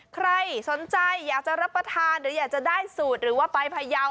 ใครสนใจอยากจะรับประทานหรืออยากจะได้สูตรหรือว่าไปพยาว